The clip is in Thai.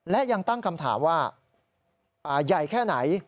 และยังตั้งคำถามว่าใหญ่แค่ไหน